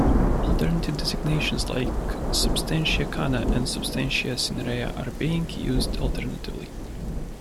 Alternative designations like "substantia cana" and "substantia cinerea" are being used alternatively.